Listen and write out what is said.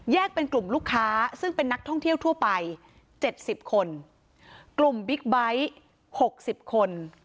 แยกเป็นกลุ่มลูกค้าซึ่งเป็นนักท่องเที่ยวทั่วไป๗๐คนกลุ่มบิ๊กไบท์๖๐คน